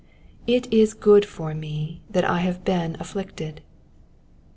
''It is good for me that I have leen afflicted.'